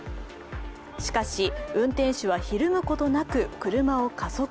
しかし、運転手はひるむことなく車を加速。